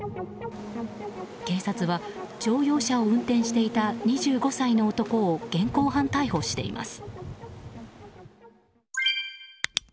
警察は、乗用車を運転していた２５歳の男を現行犯逮捕しています。